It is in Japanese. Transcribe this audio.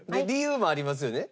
理由もあります。